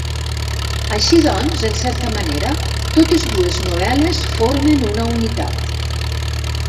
Així doncs, en certa manera totes dues novel·les formen una unitat.